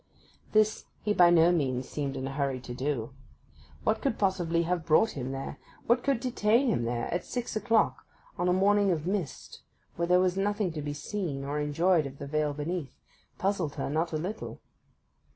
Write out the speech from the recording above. This he by no means seemed in a hurry to do. What could possibly have brought him there, what could detain him there, at six o'clock on a morning of mist when there was nothing to be seen or enjoyed of the vale beneath, puzzled her not a little.